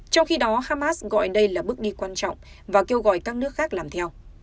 trong khi đó hamas gọi đây là bước đi quan trọng và kêu gọi các nước khác làm theo